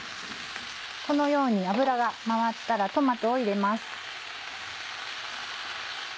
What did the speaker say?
このように油が回ったらトマトを入れます。